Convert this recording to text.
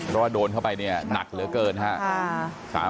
แล้วโดนเข้าไปเนี่ยหนักเหลือเกินค่ะ